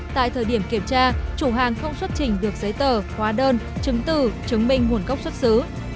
tại thời điểm kiểm tra chủ hàng không xuất trình được giấy tờ hóa đơn chứng từ chứng minh nguồn gốc xuất xứ